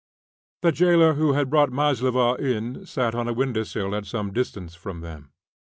The jailer who had brought Maslova in sat on a windowsill at some distance from them.